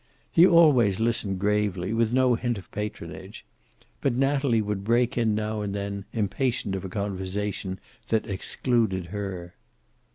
He always listened gravely, with no hint of patronage. But Natalie would break in now and then, impatient of a conversation that excluded her.